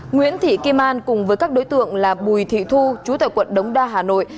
nguyễn thị kim an cùng với các đối tượng là bùi thị thu chú tại quận đống đa hà nội